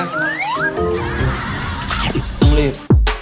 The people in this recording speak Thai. ต้องรีบ